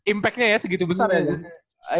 impactnya ya segitu besar ya